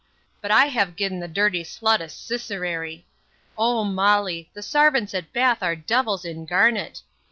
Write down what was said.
But I have gi'en the dirty slut a siserary. O Molly! the sarvants at Bath are devils in garnet.